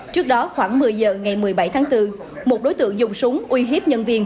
trước đó khoảng một mươi giờ ngày một mươi bảy tháng bốn một đối tượng dùng súng uy hiếp nhân viên